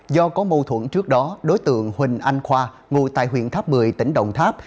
do có mâu thuẫn trước đó đối tượng huỳnh anh khoa ngồi tại huyện tháp một mươi tỉnh đồng tháp